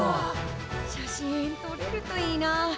写真とれるといいなあ。